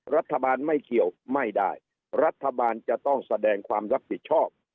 รัฐบาลไม่เกี่ยวไม่ได้รัฐบาลจะต้องแสดงความรับผิดชอบ